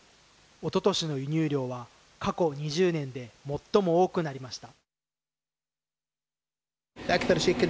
おととしの輸入量は過去２０年で最も多くなりました。